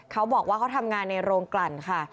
เขาบอกว่าเขาทำงานในโรงกลั่นค่ะ